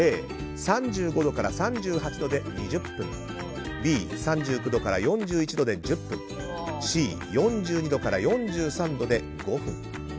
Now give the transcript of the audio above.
Ａ、３５度から３８度で２０分Ｂ、３９度から４１度で１０分Ｃ、４２度から４３度で５分。